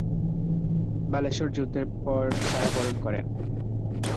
বালেশ্বর যুদ্ধের পর কারাবরণ করেন।